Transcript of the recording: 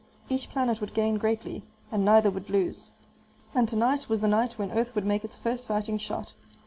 Each planet would gain greatly, and neither would lose. And tonight was the night when Earth would make its first sighting shot.